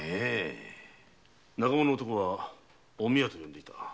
仲間の男は「おみわ」と呼んでいた。